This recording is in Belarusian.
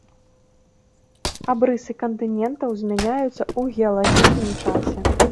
Абрысы кантынентаў змяняюцца ў геалагічным часе.